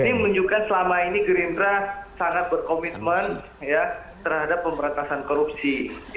ini menunjukkan selama ini gerindra sangat berkomitmen terhadap pemberantasan korupsi